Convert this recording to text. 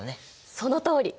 そのとおり！